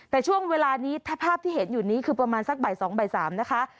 แต่ช่วงเวลานี้ถ้าภาพที่เห็นอยู่นี้คือประมาณสักบ่าย๒บ่าย๓นะคะ